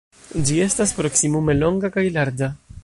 Ĝi estas proksimume longa kaj larĝa.